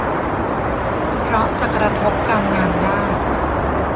เพราะจะกระทบการงานได้